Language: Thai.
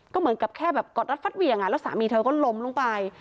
ก็เหมือนกับแค่แบบกอดรัดฟัดเหวี่ยงแล้วสามีเธอก็ล้มลงไป